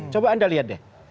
coba anda lihat deh